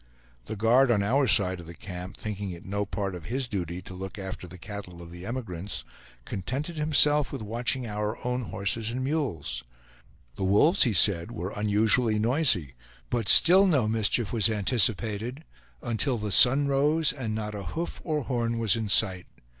The guard on our side of the camp, thinking it no part of his duty to look after the cattle of the emigrants, contented himself with watching our own horses and mules; the wolves, he said, were unusually noisy; but still no mischief was anticipated until the sun rose, and not a hoof or horn was in sight!